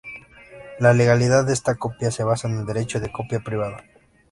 La legalidad de esta copia se basa en el derecho de copia privada.